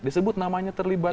disebut namanya terlibat